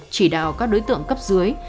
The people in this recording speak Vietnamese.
chỉ đạo các đối tượng cấp dưới